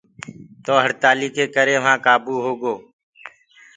تو هڙتآلي ڪي ڪري وهآ ڪآبو هوگو۔